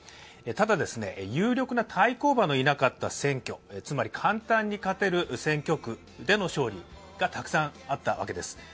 ただ、有力な対抗馬のいなかった選挙、つまり簡単に勝てる選挙区での勝利がたくさんあったわけです。